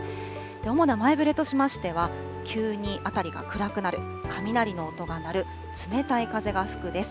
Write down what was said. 主な前触れとしましては、急に辺りが暗くなる、雷の音が鳴る、冷たい風が吹くです。